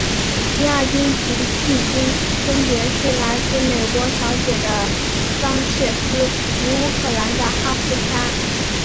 亚军及季军分别是来自美国小姐的桑切斯及乌克兰的哈库沙。